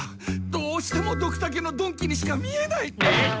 どうしてもドクタケの曇鬼にしか見えない！